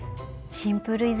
シンプルイズ。